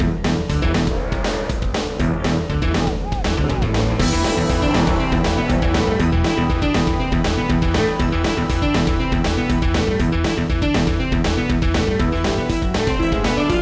itu kayaknya mau gede yuk gimana